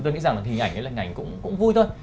tôi nghĩ rằng là hình ảnh ấy là hình ảnh cũng vui thôi